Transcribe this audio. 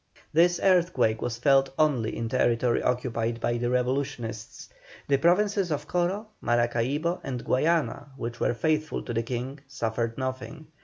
This earthquake was felt only in territory occupied by the revolutionists; the Provinces of Coro, Maracaibo, and Guayana, which were faithful to the King, suffered nothing.